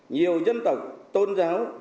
nhiều dân tộc tôn giáo